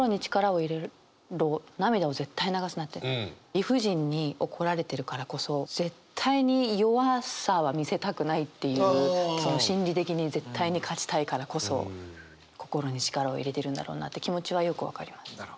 理不尽に怒られてるからこそ絶対に弱さは見せたくないっていうその心理的に絶対に勝ちたいからこそ心に力を入れてるんだろうなって気持ちはよく分かります。